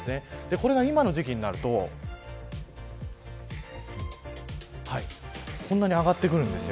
これが今の時季になるとこんなに上がってくるんです。